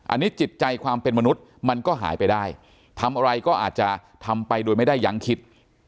อันนี้จิตใจความเป็นมนุษย์มันก็หายไปได้ทำอะไรก็อาจจะทำไปโดยไม่ได้ยังคิด